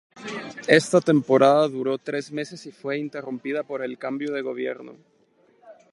Esta temporada duró tres meses y fue interrumpida por el cambio de gobierno.